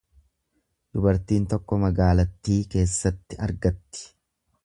Dubartiin tokko magaalattii keessatti argatti.